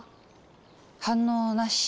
反応なし。